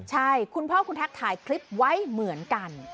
ใช่คุณพ่อคุณแท็กถ่ายคลิปไว้เหมือนกัน